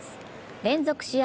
連続試合